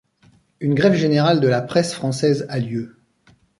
Une grève générale de la presse française a lieu.